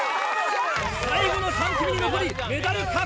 最後の３組に残りメダル確定！